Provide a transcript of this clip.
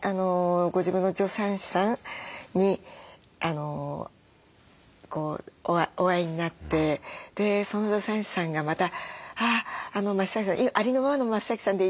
ご自分の助産師さんにお会いになってその助産師さんがまた「ありのままの増さんでいて。